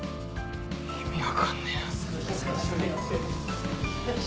意味分かんねえ。